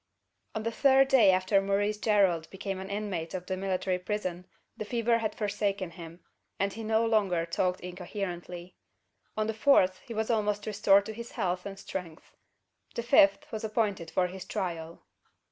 On the third day after Maurice Gerald became an inmate of the military prison the fever had forsaken him, and he no longer talked incoherently. On the fourth he was almost restored to his health and strength. The fifth was appointed for his trial!